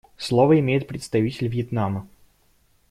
Слово имеет представитель Вьетнама.